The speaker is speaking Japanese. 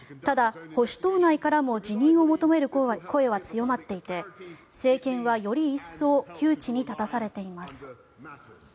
ただ、保守党内からも辞任を求める声は強まっていて政権はより一層窮地に立たされています。